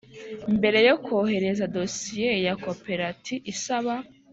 Mbere yo kohereza dosiye ya Koperat isaba